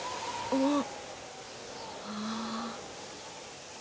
あっ。